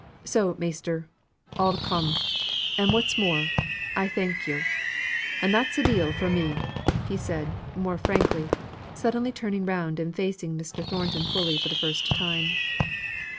So, measter, I'll come; and what's more, I thank yo'; and that's a deal fro' me," said he, more frankly, suddenly turning round and facing Mr. Thornton fully for the first time.